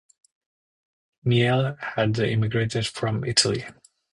Miele had immigrated from Italy.